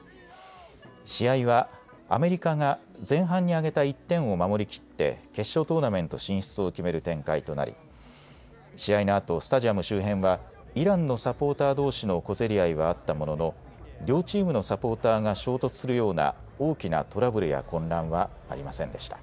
試合はアメリカが前半に挙げた１点を守りきって決勝トーナメント進出を決める展開となり試合のあとスタジアム周辺はイランのサポーターどうしの小競り合いはあったものの両チームのサポーターが衝突するような大きなトラブルや混乱はありませんでした。